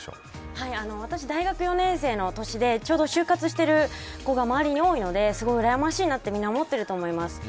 私、大学４年生の年でちょうど就活してる子が周りに多いのでうらやましいなとみんな思ってると思います。